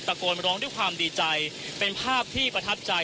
โกนร้องด้วยความดีใจเป็นภาพที่ประทับใจ